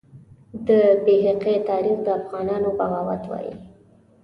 د بیهقي تاریخ د افغانانو بغاوت وایي.